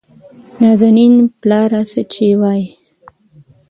نازنين : پلاره څه چې وايې؟